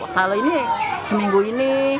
kalau ini seminggu ini